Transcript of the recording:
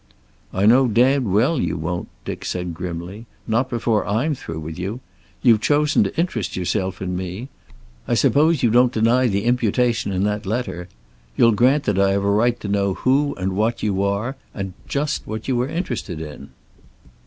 "I know damned well you won't," Dick said grimly. "Not before I'm through with you. You've chosen to interest yourself in me. I suppose you don't deny the imputation in that letter. You'll grant that I have a right to know who and what you are, and just what you are interested in."